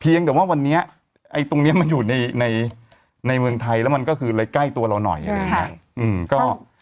เพียงแต่ว่าวันนี้ไอ้ตรงนี้มันอยู่ในเมืองไทยแล้วมันก็คือใกล้ตัวเราหน่อยใช่